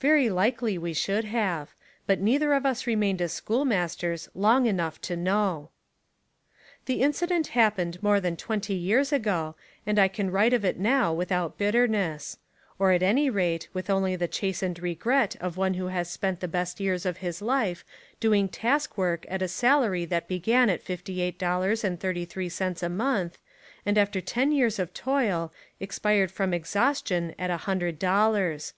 Very likely we should have. But neither of us remained as schoolmasters long enough to know. The incident happened more than twenty years ago and I can write of It now without bitterness; or at any rate with only the chas tened regret of one who has spent the best years of his life doing task work at a salary that began at fifty eight dollars and thirty three cents a month and after ten years of toil, ex pired from exhaustion at a hundred dollars.